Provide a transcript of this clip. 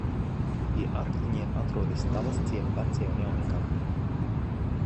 Pie Arkliņiem atrodas Talsciema vecie un jaunie kapi.